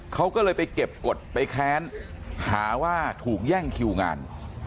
เขาก็เลยไปเก็บกฎไปแค้นหาว่าถูกแย่งคิวงาน